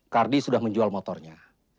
kardi sudah menjual motornya